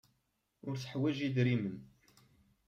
Ur teḥwaj idrimen.